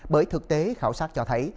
bởi thực tế khảo sát cho thấy